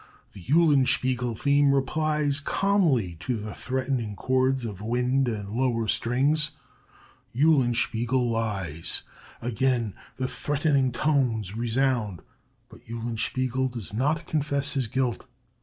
The 'Eulenspiegel' theme replies calmly to the threatening chords of wind and lower strings. Eulenspiegel lies. Again the threatening tones resound; but Eulenspiegel does not confess his guilt.